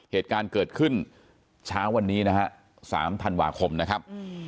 เหตุการณ์เกิดขึ้นเช้าวันนี้นะฮะ๓ธันวาคมนะครับ